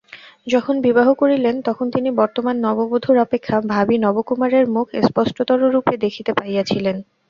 যখন বিবাহ করিলেন তখন তিনি বর্তমান নববধূর অপেক্ষা ভাবী নবকুমারের মুখ স্পষ্টতররূপে দেখিতে পাইয়াছিলেন।